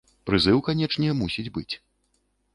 Прызыў, канечне, мусіць быць.